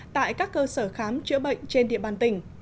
tại các cơ sở khám chữa bệnh trên địa bàn tỉnh